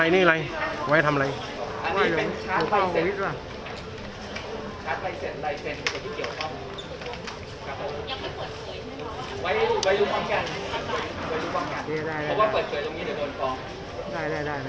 ไว้รู้บ้างกันไว้รู้บ้างกันเพราะว่าเปิดเผยตรงนี้เดี๋ยวโดนฟอง